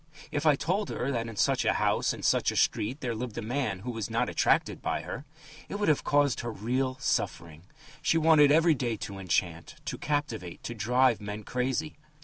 If I told her that in such a house, in such a street, there lived a man who was not attracted by her, it would have caused her real suffering. She wanted every day to enchant, to captivate, to drive men crazy.